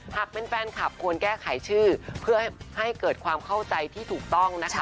หากเป็นแฟนคลับควรแก้ไขชื่อเพื่อให้เกิดความเข้าใจที่ถูกต้องนะคะ